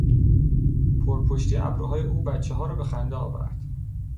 پرپشتی ابروهای او بچهها را به خنده آورد.